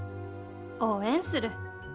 応援する。